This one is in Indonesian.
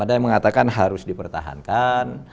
ada yang mengatakan harus dipertahankan